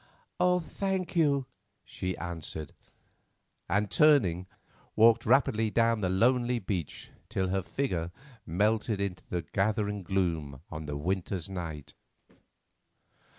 "Thank you," she answered, and turning, walked rapidly down the lonely beach till her figure melted into the gathering gloom of the winter's night.